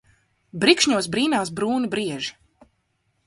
Brikšņos brīnās brūni brieži.